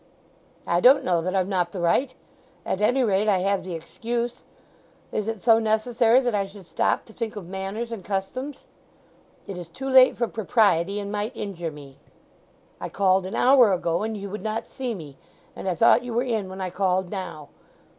"I don't know that I've not the right. At any rate I have the excuse. Is it so necessary that I should stop to think of manners and customs?" "It is too late for propriety, and might injure me." "I called an hour ago, and you would not see me, and I thought you were in when I called now.